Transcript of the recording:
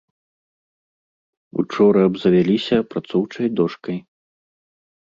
Учора абзавяліся апрацоўчай дошкай.